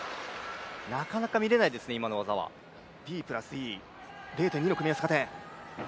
なかなか見れないですね、今の技は０．２の組み合わせ加点。